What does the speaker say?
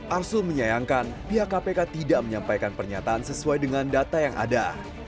arsul menyayangkan pihak kpk tidak menyampaikan pernyataan sesuai dengan data yang ada